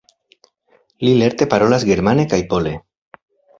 Li lerte parolas germane kaj pole.